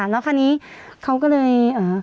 แล้วคราวนี้เขาก็เลย